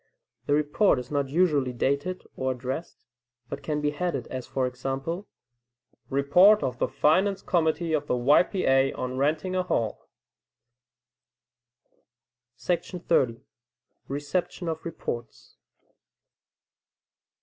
The report is not usually dated, or addressed, but can he headed, as for example, "Report of the Finance Committee of the Y. P. A., on Renting a Hall." 30. Reception of Reports.